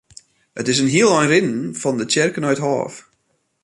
It is in hiel ein rinnen fan de tsjerke nei it hôf.